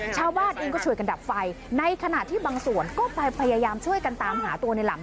ชาวบ้านเองก็ช่วยกันดับไฟในขณะที่บางส่วนก็ไปพยายามช่วยกันตามหาตัวในหลัง